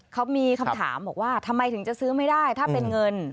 เขามีคำถามบอกว่าทำไมถึงจะซื้อไม่ได้ถ้าเป็นเงิน